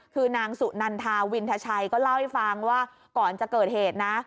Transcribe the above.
คือนางสุนันทาวินทชัยก็เล่าให้ฟังว่าก่อนจะเกิดเหตุนะ